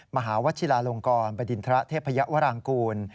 มหาวัชิลาลงกรบดินทระเทพยวรางกูล